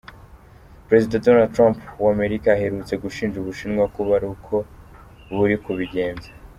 Perezida Donald Trump w'Amerika aherutse gushinja Ubushinwa kuba ari uko buri kubigenza.